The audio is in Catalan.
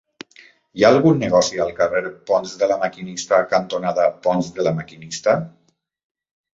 Hi ha algun negoci al carrer Ponts de La Maquinista cantonada Ponts de La Maquinista?